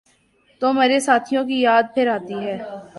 تو مرے ساتھیوں کی یاد پھرآتی ہے۔